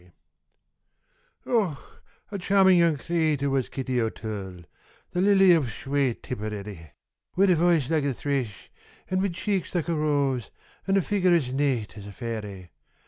_ Och! a charmin' young cratur' was Kitty O'Toole, The lily ov shwate Tipperary; Wid a voice like a thrish, and wid cheeks like a rose, An' a figger as nate as a fairy!